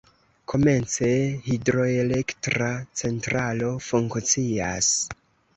Komence hidroelektra centralo funkcias.